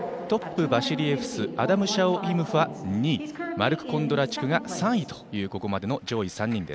トップはバシリエフスアダム・シャオイムファ、２位マルク・コンドラチュクが３位というここまでの上位３人。